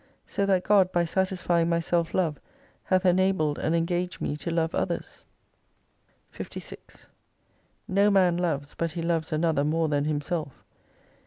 So that God by satisfying my self love, hath enabled and engaged me to love others. 56 No man loves, but he loves another more than himself.